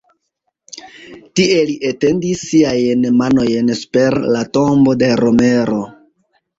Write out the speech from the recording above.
Tie li etendis siajn manojn super la tombo de Romero.